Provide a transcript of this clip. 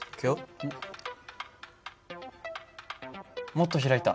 もっと開いた。